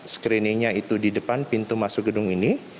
screeningnya itu di depan pintu masuk gedung ini